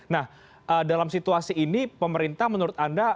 nah dalam situasi ini pemerintah menurut anda